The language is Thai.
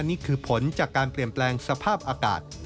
นี่คือผลจากการเปลี่ยนแปลงสภาพอากาศ